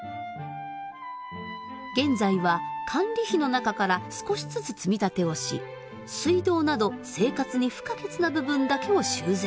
現在は管理費の中から少しずつ積み立てをし水道など生活に不可欠な部分だけを修繕。